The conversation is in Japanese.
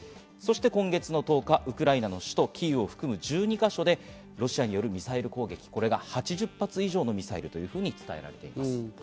今月１０日、ウクライナの首都キーウを含む１２か所でロシアによるミサイル攻撃、これが８０発以上のミサイルというふうに伝えられています。